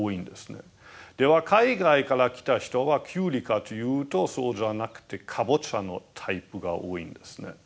では海外から来た人はキュウリかというとそうじゃなくてカボチャのタイプが多いんですね。